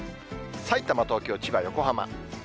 さいたま、東京、千葉、横浜。